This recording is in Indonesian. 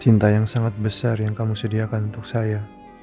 cinta yang sangat besar yang kamu sediakan untuk saya